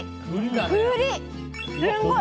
すんごい。